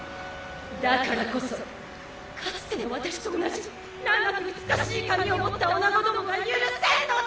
だからこそかつての私と同じ長く美しい髪を持ったおなごどもが許せんのだ！！